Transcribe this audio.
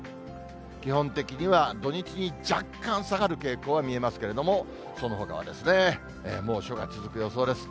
基本的には土日に、若干下がる傾向は見えますけれども、そのほかはですね、猛暑が続く予想です。